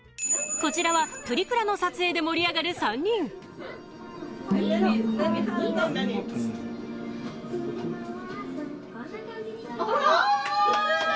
こちらはプリクラの撮影で盛り上がる３人あ！